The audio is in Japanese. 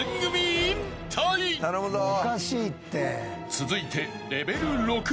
［続いて］